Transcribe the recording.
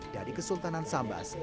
dari kesultanan sambas